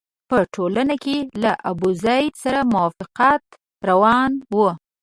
په ټولنه کې له ابوزید سره موافقت روان وو.